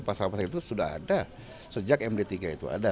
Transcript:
pasal pasal itu sudah ada sejak md tiga itu ada